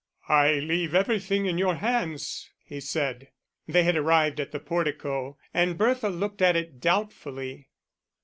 "I leave everything in your hands," he said. They had arrived at the portico, and Bertha looked at it doubtfully.